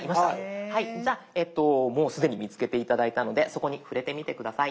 じゃあもう既に見つけて頂いたのでそこに触れてみて下さい。